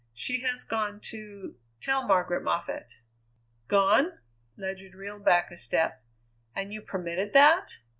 She has gone to tell Margaret Moffatt." "Gone?" Ledyard reeled back a step. "And you permitted that?"